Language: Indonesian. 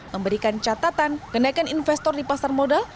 memberikan catatan kenaikan investor di pasar modal